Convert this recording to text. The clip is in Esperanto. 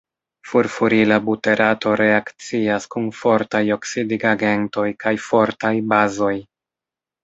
Furfurila buterato reakcias kun fortaj oksidigagentoj kaj fortaj bazoj.